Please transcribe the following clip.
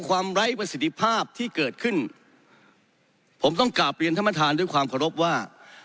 ไร้ประสิทธิภาพที่เกิดขึ้นผมต้องกลับเรียนท่านประธานด้วยความเคารพว่า